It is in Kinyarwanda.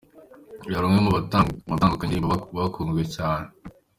Yari umwe mu batunganya indirimbo bakunzwe cyane.